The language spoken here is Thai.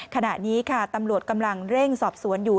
ขณะนี้ค่ะตำรวจกำลังเร่งสอบสวนอยู่